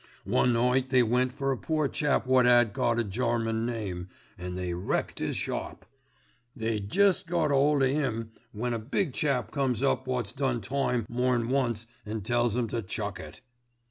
One night they went for a poor chap wot 'ad got a German name, an' they wrecked 'is shop. They'd jest got 'old o' 'im, when a big chap comes up wot's done time more'n once an' tells 'em to chuck it.